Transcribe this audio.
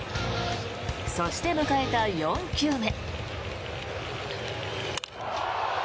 そして迎えた４球目。